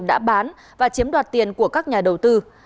đã bán và chiếm đoạt tiền của các nhà đầu tư